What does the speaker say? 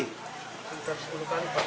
sepuluh kali pak